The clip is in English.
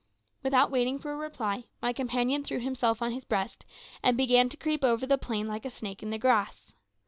Without waiting for a reply, my companion threw himself on his breast, and began to creep over the plain like a snake in the grass.